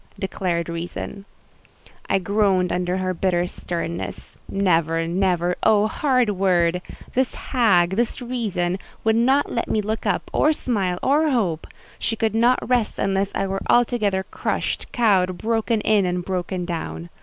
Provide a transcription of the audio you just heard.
_" declared Reason. I groaned under her bitter sternness. Never—never—oh, hard word! This hag, this Reason, would not let me look up, or smile, or hope: she could not rest unless I were altogether crushed, cowed, broken in, and broken down.